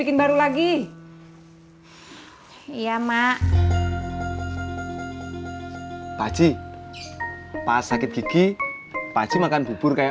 ini kan makanan